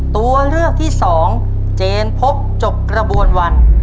ตัวเลือกที่สองเจนพบจบกระบวนวัน